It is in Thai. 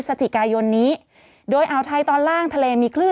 ศูนย์อุตุนิยมวิทยาภาคใต้ฝั่งตะวันอ่อค่ะ